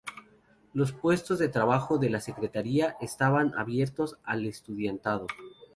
Los puestos de trabajo de la secretaría están abiertos al estudiantado.